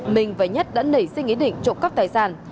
minh và nhất đã nảy sinh ý định trộm cắp tài sản